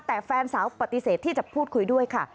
แต่แฟนสาวปฏิเสธที่จะพูดคุยด้วยค่ะ